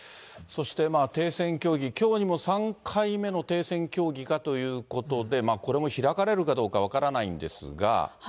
そして停戦協議、きょうにも３回目の停戦協議かということで、これも開かれるかどうか分からないんですが。